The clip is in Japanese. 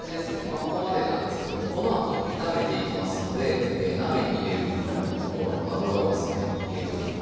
ここまでなんですけどもこのあと炒めていきますので鍋にいれるところの油をですね入れておきます